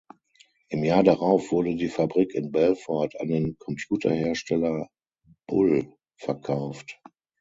Im Jahr darauf wurde die Fabrik in Belfort an den Computerhersteller Bull verkauft.